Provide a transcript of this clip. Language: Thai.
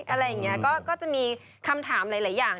อะไรอย่างนี้ก็จะมีคำถามหลายอย่าง